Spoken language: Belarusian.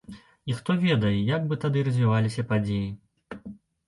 І хто ведае, як бы тады развіваліся падзеі.